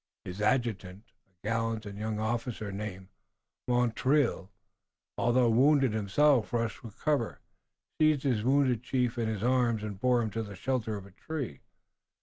His adjutant, a gallant young officer named Montreuil, although wounded himself, rushed from cover, seized his wounded chief in his arms and bore him to the shelter of a tree.